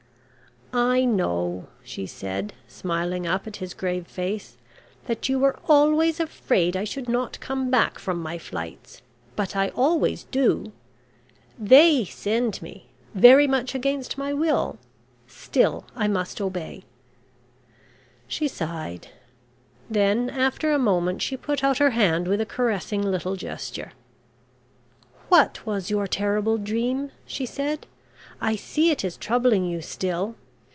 "I know," she said, smiling up at his grave face, "that you were always afraid I should not come back from my flights, but I always do. They send me very much against my will still, I must obey." She sighed. Then after a moment she put out her hand with a caressing little gesture. "What was your terrible dream?" she said. "I see it is troubling you still.